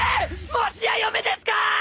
もしや嫁ですか！？